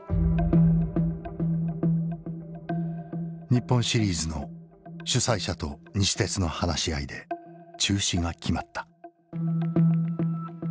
日本シリーズの主催者と西鉄の話し合いで中止が決まった。